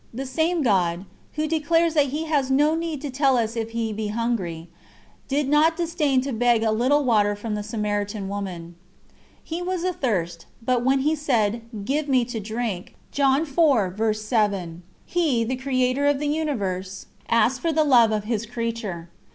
The same God, Who declares that He has no need to tell us if He be hungry, did not disdain to beg a little water from the Samaritan woman. He was athirst, but when He said: "Give me to drink," He, the Creator of the Universe, asked for the love of His creature.